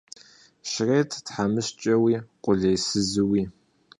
Щрет тхьэмыщкӏэуи, къулейсызууи.